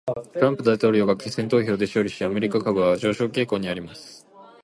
トランプ大統領が決選投票で勝利し、アメリカ株は上昇傾向にあります。